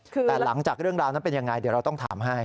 แต่หลังจากเรื่องราวนั้นเป็นยังไงเดี๋ยวเราต้องถามให้